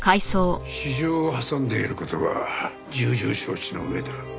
私情を挟んでいる事は重々承知の上だ。